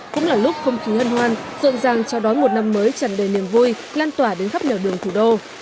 cũng là lúc không khí hân hoan rộn ràng trao đón một năm mới tràn đời niềm vui lan tỏa đến khắp nhiều đường thủ đô